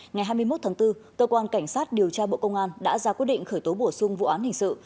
ngày hai mươi một tháng bốn cơ quan cảnh sát điều tra bộ công an đã ra quyết định khởi tố bổ sung vụ án hình sự